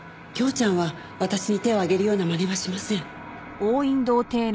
匡ちゃんは私に手を上げるような真似はしません。